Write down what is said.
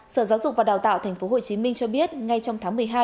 sở giáo dục và đào tạo tp hcm cho biết ngay trong tháng một mươi hai